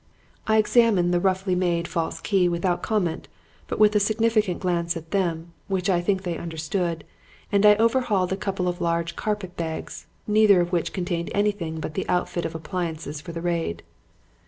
I examined the roughly made false key without comment but with a significant glance at them which I think they understood; and I overhauled a couple of large carpet bags, neither of which contained anything but the outfit of appliances for the raid.